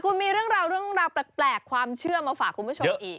คุณมีเรื่องราวแปลกความเชื่อมาฝากคุณผู้ชมอีก